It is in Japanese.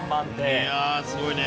いやあすごいね。